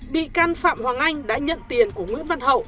bị can phạm hoàng anh đã nhận tiền của nguyễn văn hậu